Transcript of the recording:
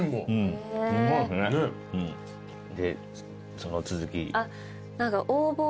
でその続き。